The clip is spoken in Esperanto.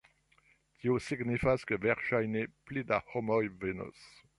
Tio signifas, ke verŝajne pli da homoj venos